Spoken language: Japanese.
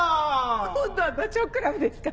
今度はダチョウ倶楽部ですか？